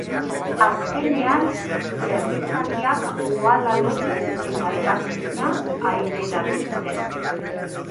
Azkenean, zerbitzariak uhala lotu eta hegazkina aireratu zen.